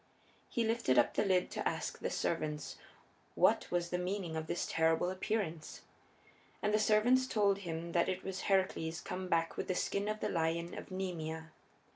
He lifted the lid up to ask the servants what was the meaning of this terrible appearance. And the servants told him that it was Heracles come back with the skin of the lion of Nemea.